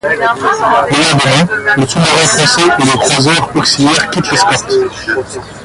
Le lendemain, le sous marin français et le croiseur auxiliaire quittent l'escorte.